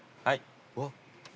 はい。